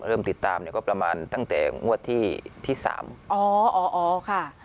เริ่มติดตามเนี่ยก็ประมาณตั้งแต่งวดที่ที่สามอ๋ออ๋ออ๋อค่ะ